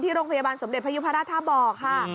โรงพยาบาลสมเด็จพยุพราชท่าบ่อค่ะ